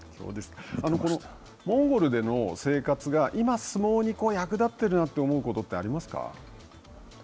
モンゴルでの生活が今、相撲に役立ってるなと思うことってありますか。